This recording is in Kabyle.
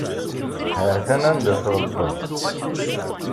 Hatan anda tɣelḍeḍ.